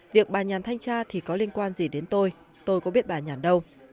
việc bà nhàn thanh tra thì có liên quan gì đến tôi tôi có biết bà nhàn đâu